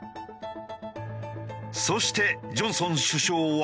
そしてジョンソン首相は。